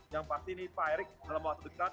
yang pasti nih pak ering dalam waktu dekat